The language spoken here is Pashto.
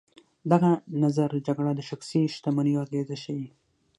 دغه نظر جګړه د شخصي شتمنیو اغېزه ښيي.